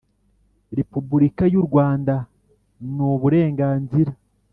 Repubulika y u Rwanda n uburenganzira